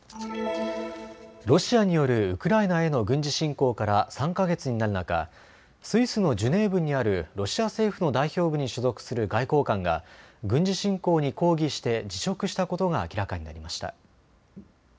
ロシアによるウクライナへの軍事侵攻から３か月になる中スイスのジュネーブにあるロシア政府の代表部に所属する外交官が軍事侵攻に抗議して辞職したことが明らかになりました。